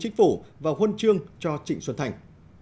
chính phủ và huân chương cho trịnh xuân thành